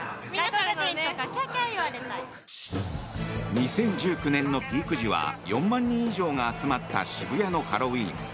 ２０１９年のピーク時は４万人以上が集まった渋谷のハロウィーン。